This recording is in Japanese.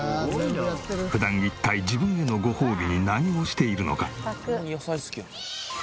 普段一体自分へのごほうびに何をしているのか？